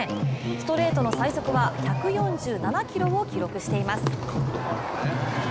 ストレートの最速は１４７キロを記録しています。